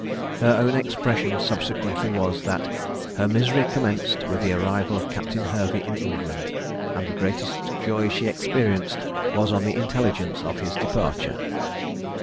Her own expression subsequently was that "her misery commenced with the arrival of Captain Hervey in England; and the greatest joy she experienced was on the intelligence of his departure."